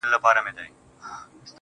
زما گراني مهرباني گلي .